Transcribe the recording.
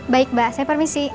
baik mbak saya permisi